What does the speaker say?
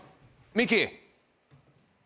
ミキ。